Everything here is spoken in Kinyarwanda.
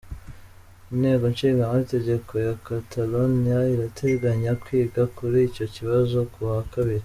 Inteko nshingamategeko ya Catalonia irateganya kwiga kuri icyo kibazo kuwa kabiri.